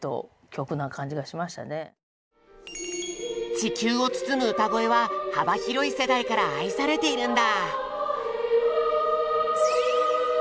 「地球をつつむ歌声」は幅広い世代から愛されているんだ。